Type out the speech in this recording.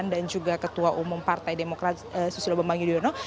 dan juga ketua umum partai demokrat susilo bambang yudhoyono